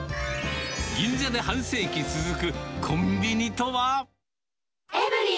銀座で半世紀続く、コンビニとは。